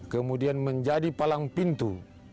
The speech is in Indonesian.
kemudian menjadi palang pintu